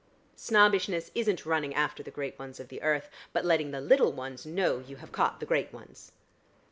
Snobbishness isn't running after the great ones of the earth, but letting the little ones know you have caught the great ones."